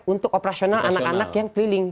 untuk operasional anak anak yang keliling